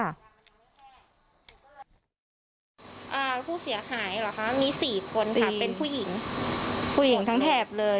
อ่าผู้เสียหายเหรอคะมีสี่คนค่ะเป็นผู้หญิงผู้หญิงทั้งแถบเลย